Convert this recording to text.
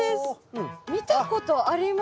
見たことあります。